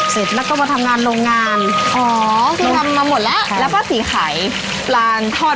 เสร็จแล้วก็มาทำงานโรงงานอ๋อคือทำมาหมดแล้วแล้วก็สีขายปลาทอด